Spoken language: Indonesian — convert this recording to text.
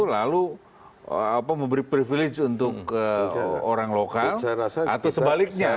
lalu memberi privilege untuk orang lokal atau sebaliknya